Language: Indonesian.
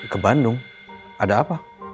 ke bandung ada apa